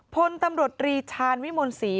พลตำรวจรีชาญวิมลศรี